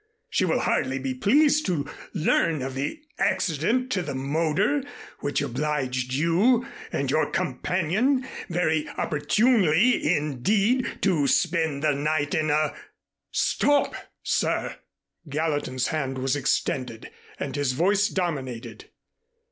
She will hardly be pleased to learn of the accident to the motor which obliged you and your companion very opportunely, indeed, to spend the night in a " "Stop, sir!" Gallatin's hand was extended and his voice dominated.